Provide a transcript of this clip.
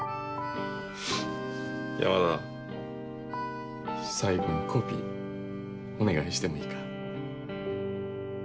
山田最後にコピーお願いしてもいいか？